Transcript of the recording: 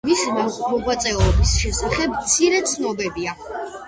მისი მოღვაწეობის შესახებ მცირე ცნობებია.